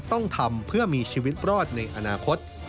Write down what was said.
ต้องทำเพื่อมีชีวิตรอดในอนาคต